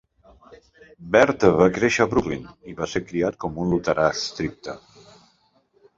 Baird va créixer a Brooklyn i va ser criat com un luterà estricte.